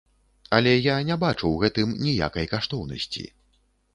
Але я не бачу ў гэтым ніякай каштоўнасці.